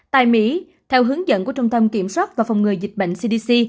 tại mỹ theo hướng dẫn của trung tâm kiểm soát và phòng ngừa dịch bệnh cdc